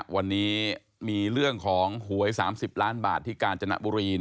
วันนี้มีเรื่องของหวย๓๐ล้านบาทที่กาญจนบุรี